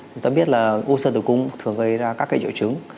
chúng ta biết là u sơ tử cung thường gây ra các cái triệu chứng